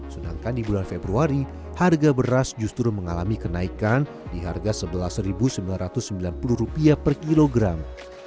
sedangkan di bulan februari harga beras justru mengalami kenaikan di harga rp sebelas sembilan ratus sembilan puluh per kilogram